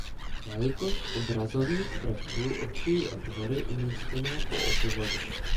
Velikost obrazových prvků určují otvory umístěné po obvodu.